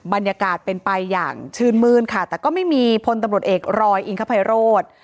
บรรยากาศเป็นไปอย่างชื่นมื้นค่ะแต่ก็ไม่มีพลตำรวจเอกรอยอิงคภัยโรธ